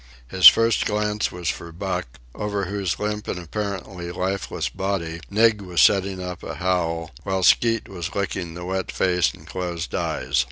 His first glance was for Buck, over whose limp and apparently lifeless body Nig was setting up a howl, while Skeet was licking the wet face and closed eyes.